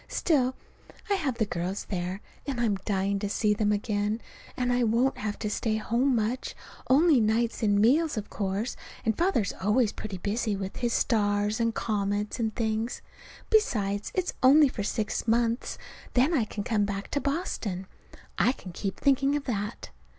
Still, I'll have the girls there, and I'm dying to see them again and I won't have to stay home much, only nights and meals, of course, and Father's always pretty busy with his stars and comets and things. Besides, it's only for six months, then I can come back to Boston. I can keep thinking of that.